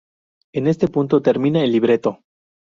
En este punto termina el libreto.